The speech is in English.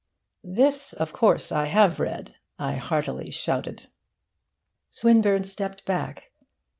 'This of course I have read,' I heartily shouted. Swinburne stepped back.